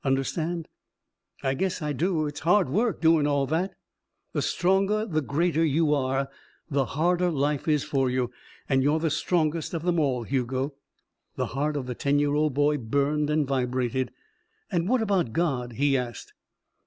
Understand?" "I guess I do. It's hard work doin' all that." "The stronger, the greater, you are, the harder life is for you. And you're the strongest of them all, Hugo." The heart of the ten year old boy burned and vibrated. "And what about God?" he asked.